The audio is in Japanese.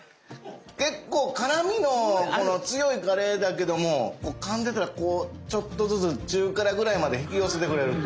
結構辛みの強いカレーだけどもかんでたらこうちょっとずつ中辛ぐらいまで引き寄せてくれるっていう。